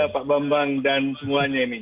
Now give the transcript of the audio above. pak bambang dan semuanya ini